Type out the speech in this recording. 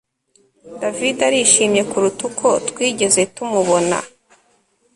David arishimye kuruta uko twigeze tumubona